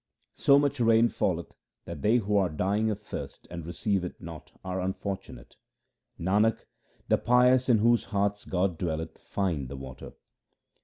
So much rain falleth that they who are dying of thirst and receive it not are unfortunate. Nanak, the pious in whose hearts God dwelleth find the water.